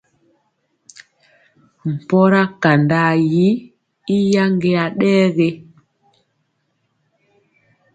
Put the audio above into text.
Mpɔra kandaa yi i yaŋgeya ɗɛ ge.